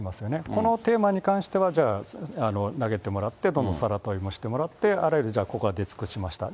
このテーマに関しては、じゃあ、投げてもらって、をしてもらって、あらゆる、ここは出尽くしました。